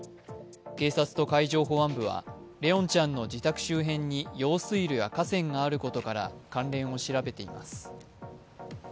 警察と海上保安部は、怜音ちゃんの自宅周辺に用水路や河川があることから関連を調べています。